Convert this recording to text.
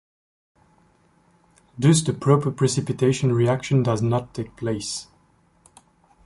Thus the proper precipitation reaction does not take place.